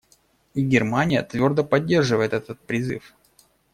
И Германия твердо поддерживает этот призыв.